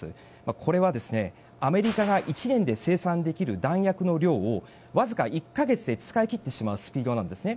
これはアメリカが１年で生産できる弾薬の量をわずか１か月で使い切ってしまうスピードなんですね。